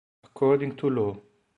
According to Law